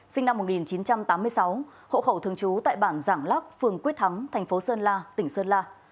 sinh năm một nghìn chín trăm tám mươi sáu hộ khẩu thường trú tại bản giảng lắc phường quyết thắng thành phố sơn la tỉnh sơn la